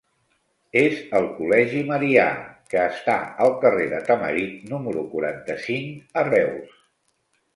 És el col·legi Marià, que està al carrer de Tamarit número quaranta-cinc, a Reus.